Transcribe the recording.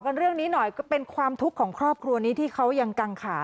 เรื่องนี้หน่อยก็เป็นความทุกข์ของครอบครัวนี้ที่เขายังกังขา